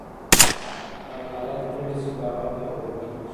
که عدالت پلی شي، باور پیاوړی کېږي.